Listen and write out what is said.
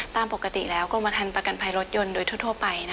ตามปกติแล้วกรมฐานประกันภัยรถยนต์โดยทั่วไป